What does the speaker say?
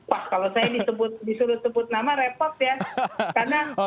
wah kalau saya disuruh sebut nama repot ya